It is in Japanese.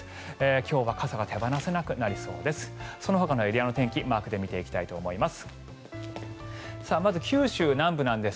今日は傘が手放せなくなりそうです。